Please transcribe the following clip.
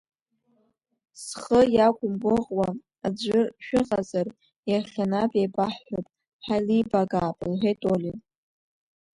Зхы иақәымгәыӷуа аӡәыр шәыҟазар иахьанатә еибаҳҳәап, ҳаилибакаап, — лҳәеит Олиа.